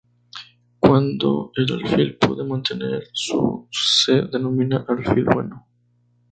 Cuando el alfil puede mantener su se denomina alfil bueno.